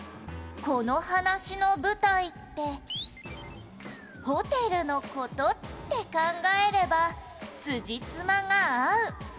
この話の舞台ってホテルの事って考えればつじつまが合う！」